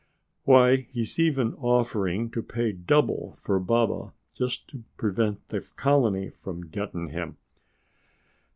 Why he's even offering to pay double for Baba just to prevent the colony from getting him."